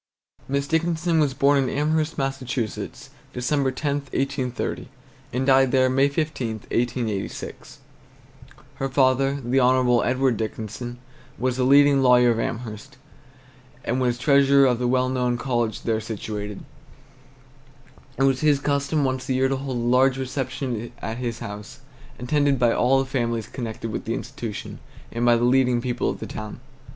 Miss Dickinson was born in Amherst, Mass., Dec. 10, 1830, and died there May 15, 1886. Her father, Hon. Edward Dickinson, was the leading lawyer of Amherst, and was treasurer of the well known college there situated. It was his custom once a year to hold a large reception at his house, attended by all the families connected with the institution and by the leading people of the town.